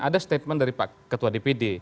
ada statement dari pak ketua dpd